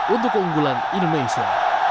satu untuk keunggulan indonesia